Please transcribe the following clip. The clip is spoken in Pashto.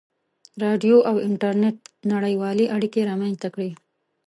• راډیو او انټرنېټ نړیوالې اړیکې رامنځته کړې.